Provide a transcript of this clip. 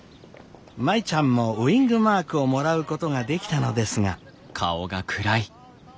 舞ちゃんもウイングマークをもらうことができたのですが。